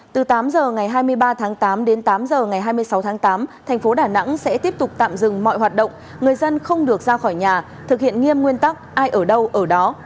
từ tám h ngày hai mươi ba tháng tám đến tám h ngày hai mươi sáu tháng tám thành phố đà nẵng sẽ tiếp tục tạm dừng mọi hoạt động người dân không được ra khỏi nhà thực hiện nghiêm nguyên tắc ai ở đâu ở đó